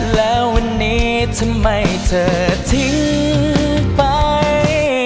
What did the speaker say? แล้ววันนี้ทำไมเธอทิ้งไป